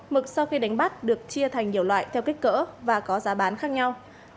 mực sau khi đánh bắt được chia thành nhiều loại theo kích cỡ và có giá bán khác nhau